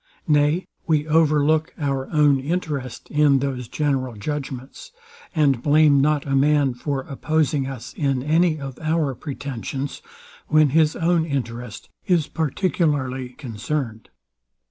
Nay, we over look our own interest in those general judgments; and blame not a man for opposing us in any of our pretensions, when his own interest is particularly concerned.